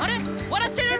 笑ってる？